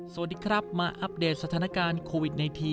สวัสดีครับมาอัปเดตสถานการณ์โควิด๑๙